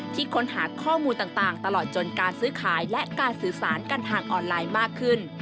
ค้นหาข้อมูลต่างตลอดจนการซื้อขายและการสื่อสารกันทางออนไลน์มากขึ้น